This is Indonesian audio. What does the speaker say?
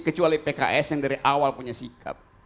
kecuali pks yang dari awal punya sikap